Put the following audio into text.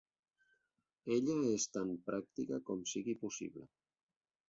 Ella és tan pràctica com sigui possible.